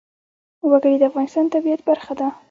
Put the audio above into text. وګړي د افغانستان د طبیعت برخه ده.